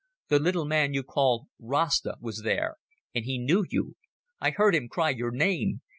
"The little man you call Rasta was there, and he knew you. I heard him cry your name.